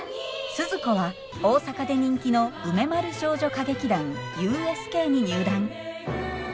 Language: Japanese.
スズ子は大阪で人気の梅丸少女歌劇団ＵＳＫに入団。